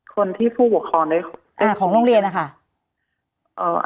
คนที่ผู้ปกครองได้คุยด้วยคือใครค่ะ